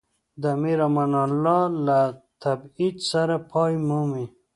د امیر امان الله له تبعید سره پای مومي.